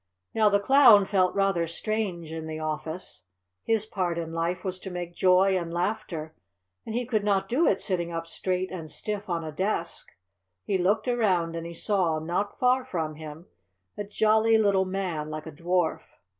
Now the Clown felt rather strange in the office. His part in life was to make joy and laughter, and he could not do it sitting up straight and stiff on a desk. He looked around, and he saw, not far from him, a jolly little man, like a dwarf.